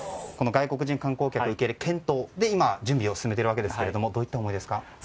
外国人観光客受け入れ検討で今、準備を進めているわけですがどういった思いですか？